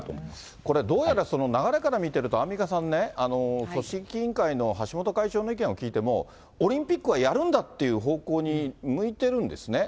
これどうやら流れから見てると、アンミカさんね、組織委員会の橋本会長の意見を聞いても、オリンピックはやるんだっていう方向に向いてるんですね。